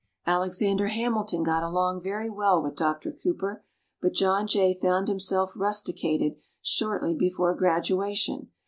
Alexander Hamilton got along very well with Doctor Cooper, but John Jay found himself rusticated shortly before graduation.